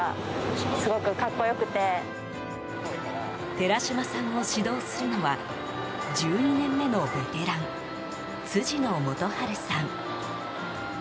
寺島さんを指導するのは１２年目のベテラン辻野元春さん。